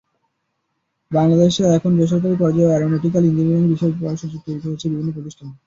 বাংলাদেশে এখন বেসরকারি পর্যায়েও অ্যারোনটিক্যাল ইঞ্জিনিয়ারিং বিষয়ে পড়ার সুযোগ তৈরি হয়েছে বিভিন্ন প্রতিষ্ঠানে।